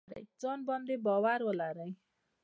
ځان باندې باور ولرئ